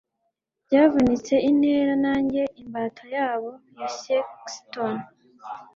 Byavunitse intera ... Nanjye, imbata yabo ya sexton!